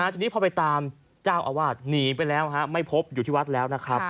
ทีนี้พอไปตามเจ้าอาวาสหนีไปแล้วไม่พบอยู่ที่วัดแล้วนะครับ